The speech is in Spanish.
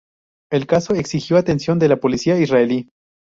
El caso exigió atención de la policía israelí.